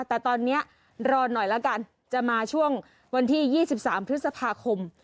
แต่ตอนเนี้ยรอหน่อยแล้วกันจะมาช่วงวันที่ยี่สิบสามพฤษภาคม